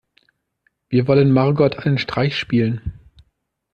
Wir wollen Margot einen Streich spielen.